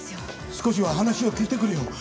少しは話を聞いてくれよ。